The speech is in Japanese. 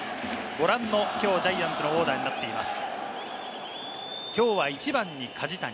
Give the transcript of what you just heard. ご覧のきょうジャイアンツのオーダーになっています。